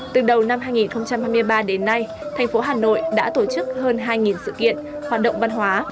từ đầu năm hai nghìn hai mươi ba đến nay thành phố hà nội đã tổ chức hơn hai sự kiện hoạt động văn hóa